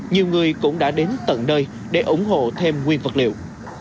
nhiều người cũng đã đến tận nơi để ủng hộ thêm nguyên vật liệu